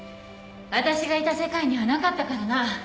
私がいた世界にはなかったからな。